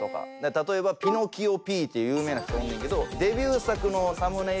例えばピノキオピーって有名な人おんねんけど。